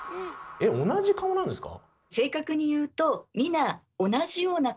えっ同じ顔なんですか？